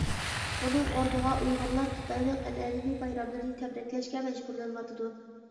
بۇنىڭ ئورنىغا ئۇيغۇرلار خىتاينىڭ ئەنئەنىۋى بايراملىرىنى تەبرىكلەشكە مەجبۇرلىنىۋاتىدۇ.